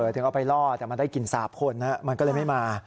ถึงเอาไปล่อแต่มันได้กลิ่นสาบคนมันก็เลยไม่มา